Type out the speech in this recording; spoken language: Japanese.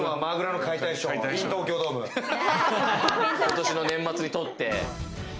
今年の年末にとって。